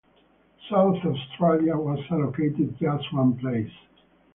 South Australia was allocated just one place.